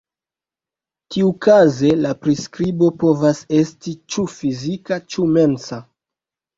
Tiukaze la priskribo povas esti ĉu fizika ĉu mensa.